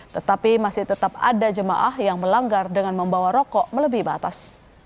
tetapi masih tetap ada jemaah yang melanggar dengan membawa rokok melebihi batas